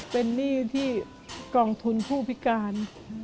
เป็นหนี้ที่กองทุนผู้พิการ